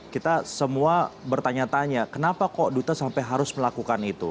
kita semua bertanya tanya kenapa kok duta sampai harus melakukan itu